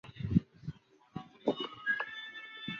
圣克里斯托夫德杜布尔。